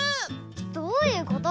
どういうこと？